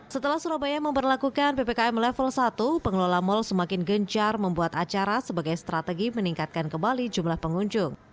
setelah surabaya memperlakukan ppkm level satu pengelola mal semakin gencar membuat acara sebagai strategi meningkatkan kembali jumlah pengunjung